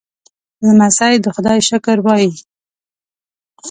لمسی د خدای شکر وايي.